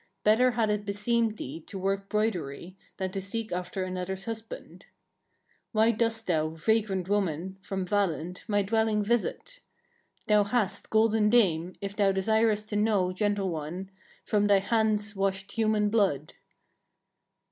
Better had it beseemed thee to work broidery, than to seek after another's husband. 2. Why dost thou, vagrant woman! from Valland, my dwelling visit? Thou hast, golden dame! if thou desirest to know, gentle one! from thy hands washed human blood."